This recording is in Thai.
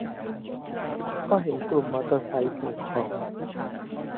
ก็เห็นกลุ่มมอเตอร์ไซค์ส่งของ